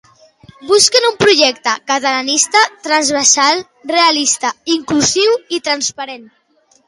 Busquen un projecte catalanista transversal, realista inclusiu i transparent.